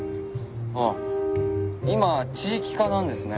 ああ今地域課なんですね。